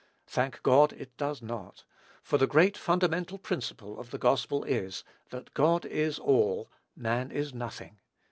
Thank God it does not; for the great fundamental principle of the gospel is, that God is ALL, man is NOTHING.